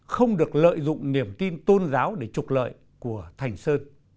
không được lợi dụng niềm tin tôn giáo để trục lợi của thành sơn